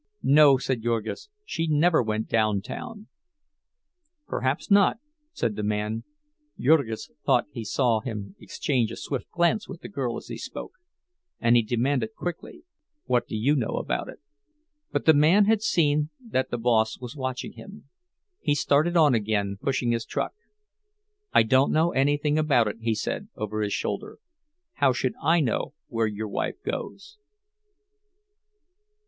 "No," said Jurgis, "she never went down town." "Perhaps not," said the man. Jurgis thought he saw him exchange a swift glance with the girl as he spoke, and he demanded quickly. "What do you know about it?" But the man had seen that the boss was watching him; he started on again, pushing his truck. "I don't know anything about it," he said, over his shoulder. "How should I know where your wife goes?"